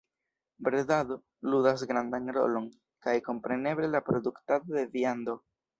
Bredado ludas grandan rolon, kaj kompreneble la produktado de viando.